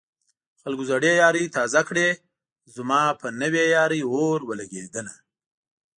خلکو زړې يارۍ تازه کړې زما په نوې يارۍ اور ولګېدنه